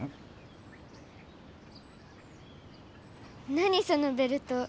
なにそのベルト。